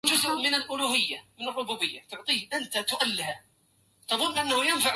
ياعين جودي بدمع منك مسكوب